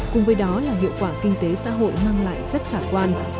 cùng với đó là hiệu quả kinh tế xã hội mang lại rất khả quan